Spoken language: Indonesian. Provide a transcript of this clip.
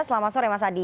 selamat sore mas adi